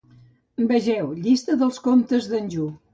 Vegeu: llista de comtes d'Anjou.